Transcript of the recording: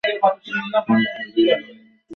তিনি অ্যাবি থিয়েটারে কাজ করতেন।